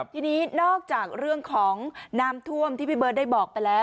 ทีนี้นอกจากเรื่องของน้ำท่วมที่พี่เบิร์ตได้บอกไปแล้ว